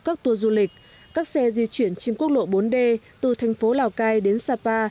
các tour du lịch các xe di chuyển trên quốc lộ bốn d từ thành phố lào cai đến sapa